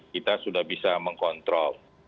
kita sudah bisa mengkontrol